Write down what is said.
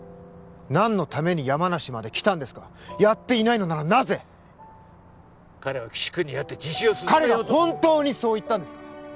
何のために山梨まで来たんですかやっていないのならなぜ彼は岸君に会って自首を勧めようと彼が本当にそう言ったんですか？